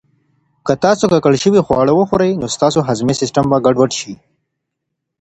که تاسو ککړ شوي خواړه وخورئ، نو ستاسو هضمي سیسټم به ګډوډ شي.